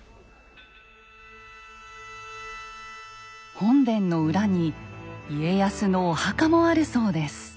本殿の裏に家康のお墓もあるそうです。